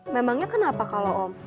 memangnya kenapa kalau om